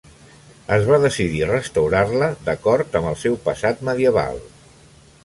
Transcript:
Es va decidir restaurar-la d'acord amb el seu passat medieval.